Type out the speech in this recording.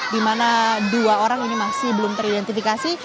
di mana dua orang ini masih belum teridentifikasi